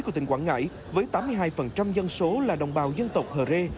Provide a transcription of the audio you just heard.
thông tin quảng ngãi với tám mươi hai dân số là đồng bào dân tộc hờ rê